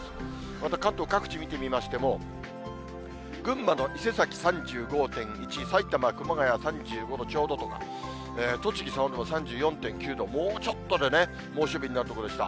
また関東各地見てみましても、群馬の伊勢崎３５．１、埼玉・熊谷３５度ちょうどとか、栃木の佐野で３４．９度、もうちょっとでね、猛暑日となるところでした。